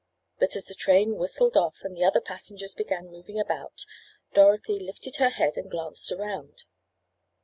But as the train whistled off, and the other passengers began moving about, Dorothy lifted her head and glanced around.